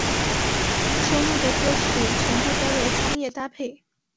收录的歌曲全部都有商业搭配。